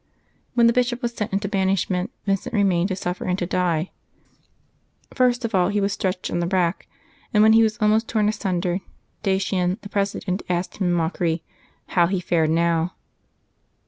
When the bishop was sent into banishment, Vincent remained to suffer and to die. First of all, he was stretched on the rack; and, when he was almost torn asunder, Dacian, the president, asked him in mockery "how he fared now."